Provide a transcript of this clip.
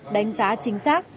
đánh giá chính xác